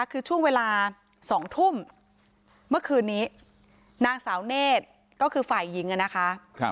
คือช่วงเวลา๒ทุ่มเมื่อคืนนี้นางสาวเนธก็คือฝ่ายหญิงนะคะ